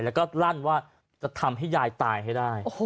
แล้วก็ลั่นว่าจะทำให้ยายตายให้ได้